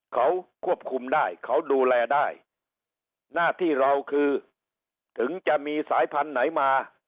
เขาควบคุมได้เขาดูแลได้หน้าที่เราคือถึงจะมีสายพันธุ์ไหนมา